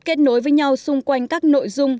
kết nối với nhau xung quanh các nội dung